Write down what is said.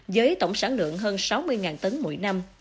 với tổng sản lượng hơn sáu mươi tấn mỗi năm